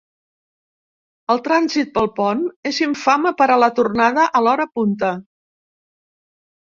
El trànsit pel pont és infame per a la tornada a l'hora punta.